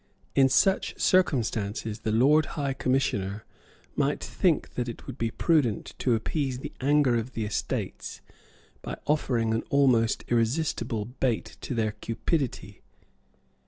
In such circumstances the Lord High Commissioner might think that it would be prudent to appease the anger of the Estates by offering an almost irresistible bait to their cupidity.